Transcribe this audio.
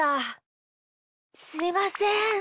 すいません。